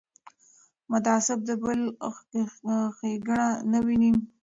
متعصب د بل ښېګڼه نه ویني